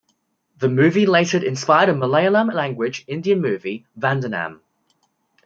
The movie later inspired a Malayalam language Indian movie "Vandanam".